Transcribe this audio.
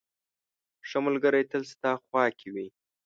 • ښه ملګری تل ستا خوا کې وي.